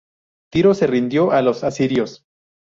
Tiro se rindió a los asirios.